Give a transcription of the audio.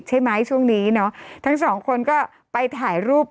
ใช่ไหมช่วงนี้เนาะทั้งสองคนก็ไปถ่ายรูป